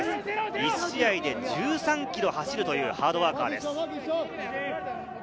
１試合で１３ｋｍ走るというハードワーカーです。